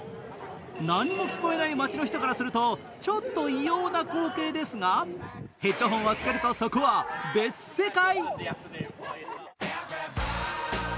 何も聞こえない街の人からするとちょっと異様な光景ですがヘッドホンを着けるとそこは別世界。